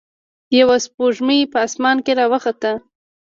یوه سپوږمۍ په اسمان کې راوخته.